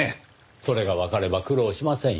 それがわかれば苦労しませんよ。